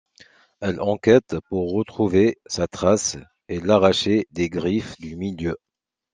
Elle enquête pour retrouver sa trace et l'arracher des griffes du milieu...